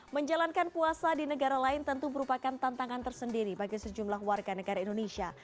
menjalankan puasa di negara lain tentu merupakan tantangan tersendiri bagi sejumlah warga negara indonesia